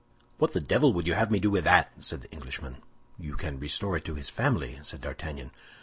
"What the devil would you have me do with that?" said the Englishman. "You can restore it to his family," said D'Artagnan.